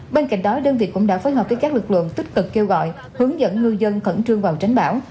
bên cạnh đó đơn vị cũng đã phối hợp với các lực lượng tích cực kêu gọi hướng dẫn ngư dân khẩn trương vào tránh bão